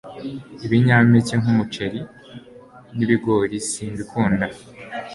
Ibinyampeke nk'umuceri n'ibigori simbikunda